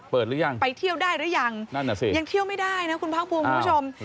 เปิดหรือยังนั่นนะสิไปเที่ยวได้หรือยังยังเที่ยวไม่ได้นะคุณพังภูมิคุณผู้ชม